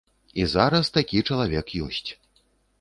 І зараз такі чалавек ёсць.